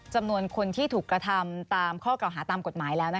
จำนวนคนที่ถูกกระทำตามข้อเก่าหาตามกฎหมายแล้ว